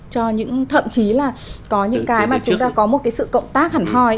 cho thậm chí là có những cái mà chúng ta có một cái sự cộng tác hẳn hoi